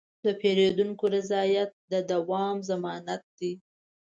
د پیرودونکي رضایت د دوام ضمانت دی.